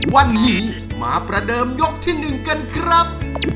วันนี้มาประเดิมยกที่๑กันครับ